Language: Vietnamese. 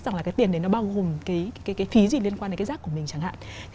rằng là cái tiền đấy nó bao gồm cái phí gì liên quan đến cái rác của mình chẳng hạn